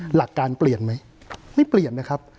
หลักการเปลี่ยนไหมไม่เปลี่ยนนะครับ